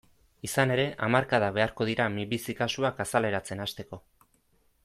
Izan ere, hamarkadak beharko dira minbizi kasuak azaleratzen hasteko.